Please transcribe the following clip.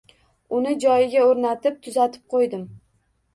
Uni joyiga oʻrnatib tuzatib qoʻydim.